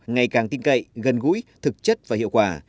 ngày càng tin cậy gần gũi thực chất và hiệu quả